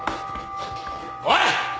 おい！